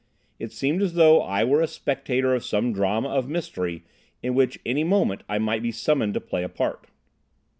It seemed as though I were a spectator of some drama of mystery in which any moment I might be summoned to play a part.